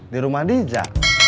di rumah dija